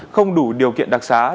không đủ điều kiện đặc sản